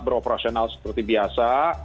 beroperasional seperti biasa